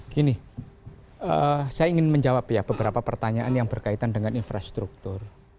gini saya ingin menjawab ya beberapa pertanyaan yang berkaitan dengan infrastruktur